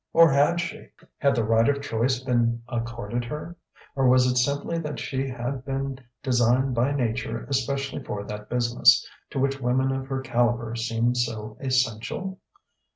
Or had she? Had the right of choice been accorded her? Or was it simply that she had been designed by Nature especially for that business, to which women of her calibre seemed so essential?